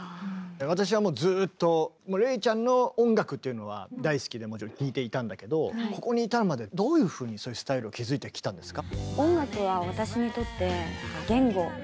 私はもうずっとＲｅｉちゃんの音楽っていうのは大好きでもちろん聴いていたんだけどここに至るまでどういうふうにスタイルを築いてきたんですか？